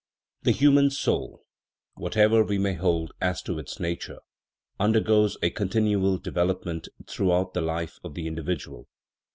THE human soul whatever we may hold as to its nature undergoes a continual development throughout the life of the individual.